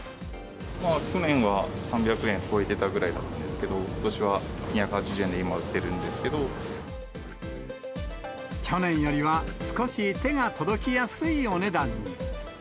去年は３００円超えてたぐらいだったんですけど、ことしは２８０円で今、売ってるんですけ去年よりは少し手が届きやすいお値段に。